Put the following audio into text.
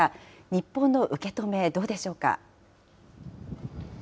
日本の受け止め、どうでしょうか。